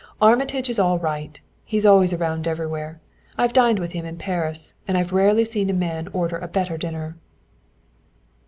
Armitage is all right. He's always around everywhere. I've dined with him in Paris, and I've rarely seen a man order a better dinner."